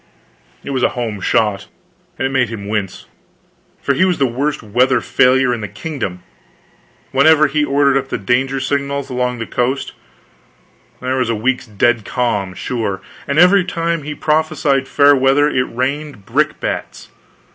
It was a home shot, and it made him wince; for he was the worst weather failure in the kingdom. Whenever he ordered up the danger signals along the coast there was a week's dead calm, sure, and every time he prophesied fair weather it rained brickbats.